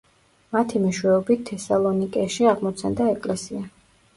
მათი მეშვეობით თესალონიკეში აღმოცენდა ეკლესია.